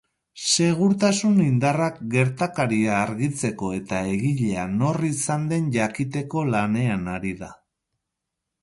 Segurtasun indarrak gertakaria argitzeko eta egilea nor izan den jakiteko lanean ari da.